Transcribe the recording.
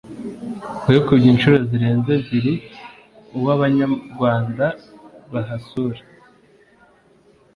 wikubye inshuro zirenze ebyiri uw’abanyarwanda bahasura